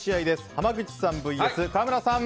濱口さんＶＳ川村さん